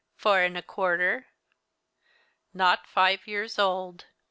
"Four and a quarter." Not five years old.